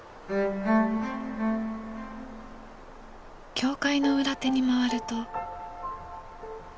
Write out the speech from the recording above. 教会の裏手に回ると。